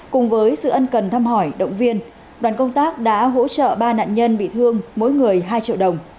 cùng với sự ân cần thăm hỏi động viên đoàn công tác đã hỗ trợ ba nạn nhân bị thương mỗi người hai triệu đồng